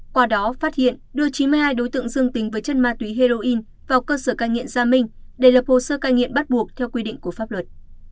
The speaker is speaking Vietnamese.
qua đó phát hiện đưa chín mươi hai đối tượng dương tính với chất ma túy heroin vào cơ sở cai nghiện gia minh để lập hồ sơ cai nghiện bắt buộc theo quy định của pháp luật